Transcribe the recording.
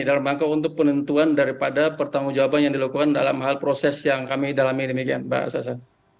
dalam rangka untuk penentuan daripada pertanggung jawaban yang dilakukan dalam hal proses yang kami dalami demikian mbak sasa